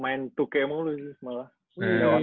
main dua k mulu sih malah